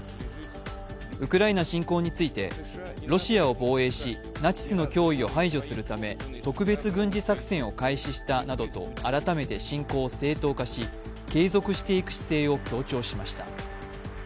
ウクライナ侵攻についてロシアを防衛しナチスの脅威を排除するため特別軍事作戦を開始したなどと改めて侵攻を正当化し継続していく姿勢を強調しました。